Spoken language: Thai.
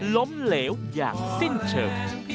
ล้มเหลวอย่างสิ้นเชิง